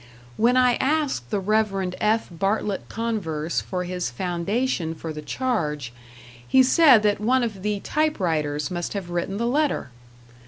When I asked the Rev. F. Bartlett Converse for his foundation for the charge, he said that one of the typewriters must have written the letter!